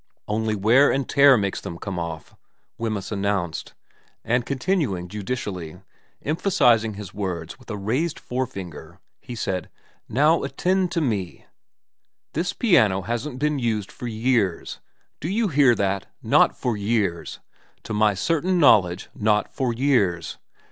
' Only wear and tear makes them come off,' Wemysa announced ; and continuing judicially, emphasising his words with a raised forefinger, he said :' Now attend to me. This piano hasn't been used for years. Do you hear that ? Not for years. To my certain know ledge not for years.